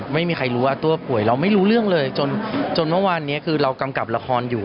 ไม่มีใครรู้ว่าตัวป่วยเราไม่รู้เรื่องเลยจนเมื่อวานนี้คือเรากำกับละครอยู่